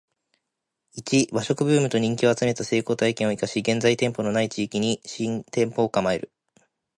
ⅰ 和食ブームと人気を集めた成功体験を活かし現在店舗の無い地域に新店舗を構える